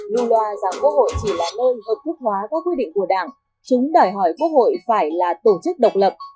lưu loa rằng quốc hội chỉ là nơi hợp thức hóa các quy định của đảng chúng đòi hỏi quốc hội phải là tổ chức độc lập